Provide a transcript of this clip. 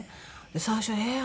最初ええー。